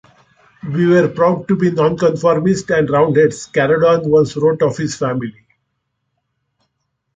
"We were proud to be nonconformists and Roundheads", Caradon once wrote of his family.